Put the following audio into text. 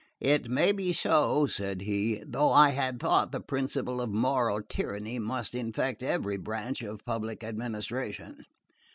"It may be so," said he, "though I had thought the principle of moral tyranny must infect every branch of public administration.